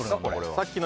さっきの！